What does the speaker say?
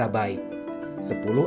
dan berjalan dengan cara baik